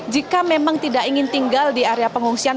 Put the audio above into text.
jika memang tidak ingin tinggal di area pengungsian